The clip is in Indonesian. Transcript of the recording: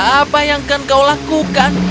apa yang akan kau lakukan